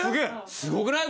すごくない？